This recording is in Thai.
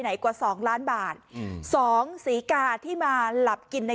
กว่าสองล้านบาทอืมสองศรีกาที่มาหลับกินใน